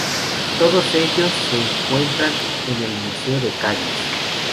Todos ellos se encuentran en el Museo de Cádiz.